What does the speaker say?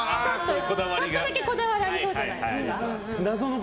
ちょっとだけこだわりありそうじゃないですか？